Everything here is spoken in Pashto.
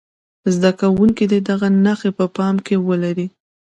زده کوونکي دې دغه نښې په پام کې ولري.